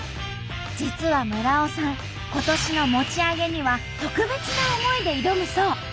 実は村尾さん今年の餅上げには特別な思いで挑むそう。